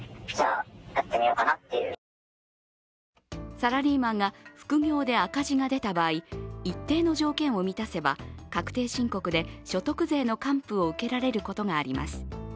サラリーマンが副業で赤字が出た場合、一定の条件を満たせば、確定申告で所得税の還付を受けられることがあります。